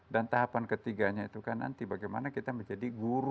dan tahapan ketiganya itu kan nanti bagaimana kita menjadi guru